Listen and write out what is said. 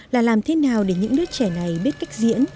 là làm thế nào để những đứa trẻ này biết cách diễn